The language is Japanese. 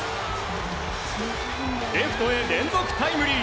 レフトへ連続タイムリー！